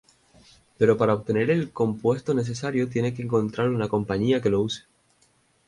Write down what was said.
Pero para obtener el compuesto necesario, tiene que encontrar una compañía que lo use.